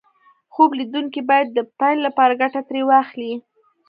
خوب ليدونکي بايد د پيل لپاره ګټه ترې واخلي.